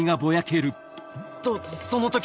とその時